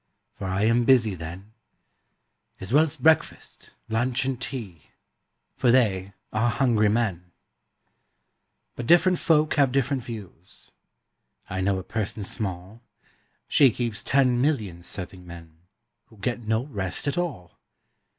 For I am busy then, As well as breakfast, lunch, and tea, For they are hungry men: But different folk have different views: I know a person small She keeps ten million serving men, Who get no rest at all!